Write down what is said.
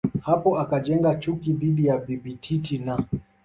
hapo akajenga chuki dhidi ya Bibi Titi na